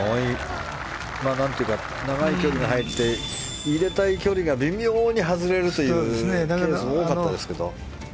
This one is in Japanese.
長い距離で入って入れたい距離で微妙に外れるというケースが多かったですけど。